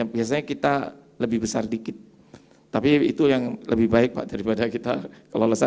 biasanya kita lebih besar sedikit tapi itu yang lebih baik pak daripada kita kalau lesa